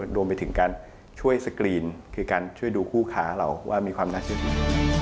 รวมไปถึงการช่วยสกรีนคือการช่วยดูคู่ค้าเราว่ามีความน่าเชื่อถือ